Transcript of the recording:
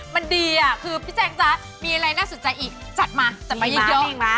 มันดีคือพี่แจ้งจ้ะมีอะไรรัสสุดใจอีกจัดมาสรุปอย่าเยอะ